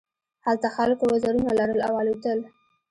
هلته خلکو وزرونه لرل او الوتل.